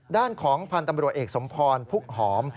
ด้านของพันธ์ตำรวจเอกสมพรพุกหอม